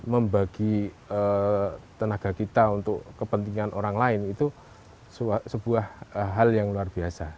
membagi tenaga kita untuk kepentingan orang lain itu sebuah hal yang luar biasa